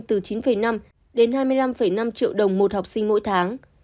từ chín năm đến hai mươi năm năm triệu đồng một học sinh mỗi tháng